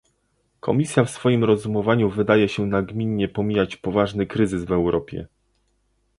Komisja w swoim rozumowaniu wydaje się nagminnie pomijać poważny kryzys w Europie